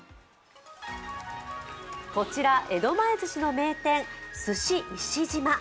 こちら、江戸前ずしの名店鮨石島。